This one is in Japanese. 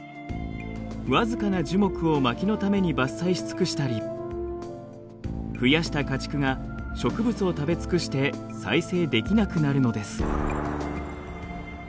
僅かな樹木をまきのために伐採し尽くしたり増やした家畜が植物を食べ尽くして再生できなくなるのです。